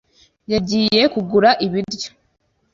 Yagiye kugura ibiryo.